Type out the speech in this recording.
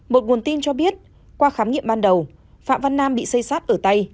một nguồn tin cho biết qua khám nghiệm ban đầu phạm văn nam bị xây sát ở tay